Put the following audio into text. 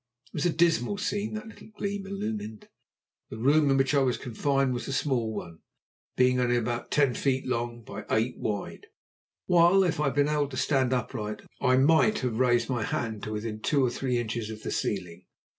It was a dismal scene that little gleam illumined. The room in which I was confined was a small one, being only about ten feet long by eight wide, while, if I had been able to stand upright, I might have raised my hand to within two or three inches of the ceiling.